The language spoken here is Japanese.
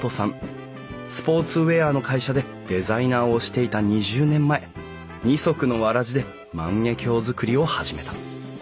スポーツウエアの会社でデザイナーをしていた２０年前二足のわらじで万華鏡づくりを始めた。